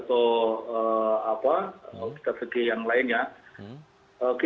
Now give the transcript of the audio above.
tapi bukankah anda juga